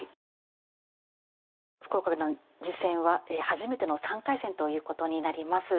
福岡四段次戦は初めての３回戦ということになります。